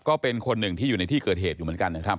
ก็เป็นคนหนึ่งที่อยู่ในที่เกิดเหตุอยู่เหมือนกันนะครับ